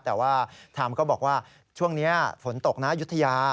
แต่ว่าไทม์ก็บอกว่าช่วงนี้ฝนตกนะยุธยา